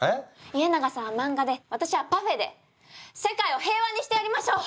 家長さんは漫画で私はパフェで世界を平和にしてやりましょう！